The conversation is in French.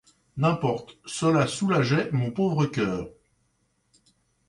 N'importe, cela soulageait mon pauvre coeur.